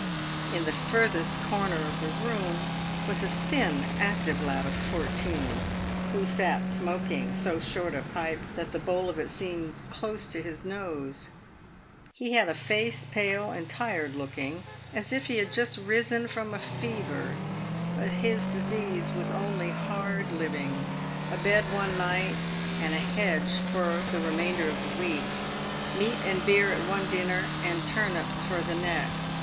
In the furthest corner of the room was a thin, active lad of fourteen, who sat smoking so short a pipe that the bowl of it seemed close to his nose. He had a face pale and tired looking, as if he had just risen from a fever, but his disease was only hard living — a bed one night, and a hedge for the remainder of the week ; meat and beer at one dinner, and turnips for the next.